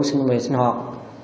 sinh mệnh sinh hoạt